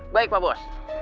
baik pak bos